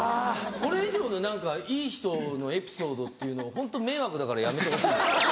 これ以上の何かいい人のエピソードっていうのをホント迷惑だからやめてほしい。